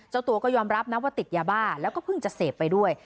เจ้าตัวก็ยอมรับนะว่าติดยาบ้าแล้วก็เพิ่งจะเสพไปด้วย